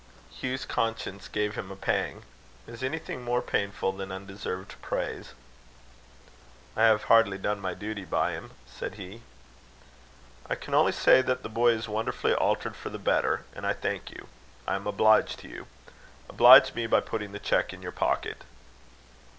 Hugh's conscience gave him a pang. Is anything more painful than undeserved praise? "I have hardly done my duty by him," said he. "I can only say that the boy is wonderfully altered for the better, and I thank you. I am obliged to you: oblige me by putting the cheque in your pocket."